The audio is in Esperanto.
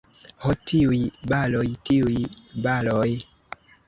Ho, tiuj baloj, tiuj baloj!